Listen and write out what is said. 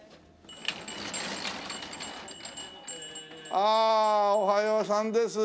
ああおはようさんです。